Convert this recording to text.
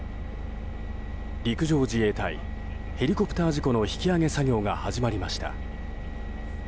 陸上自衛隊ヘリコプター事故の引き揚げ作業が始まりました。